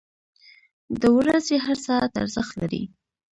• د ورځې هر ساعت ارزښت لري.